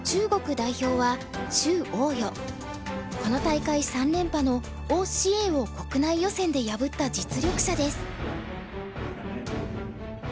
この大会３連覇の於之瑩を国内予選で破った実力者です。